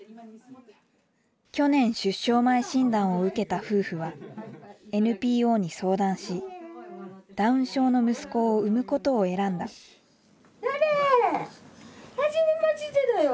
去年出生前診断を受けた夫婦はＮＰＯに相談しダウン症の息子を生むことを選んだはじめましてだよ。